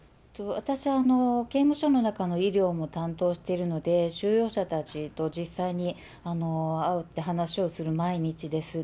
私、刑務所の中の医療も担当しているので、収容者たちと実際に会って話をする毎日です。